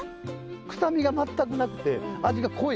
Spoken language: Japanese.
臭みが全くなくて味が濃い。